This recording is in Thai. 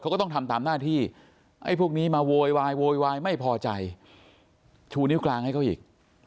เขาก็ต้องทำตามหน้าที่ไอ้พวกนี้มาโวยวายโวยวายไม่พอใจชูนิ้วกลางให้เขาอีก